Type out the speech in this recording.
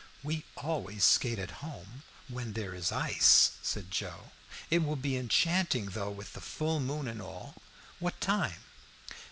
"We always skate at home, when there is ice," said Joe. "It will be enchanting though, with the full moon and all. What time?"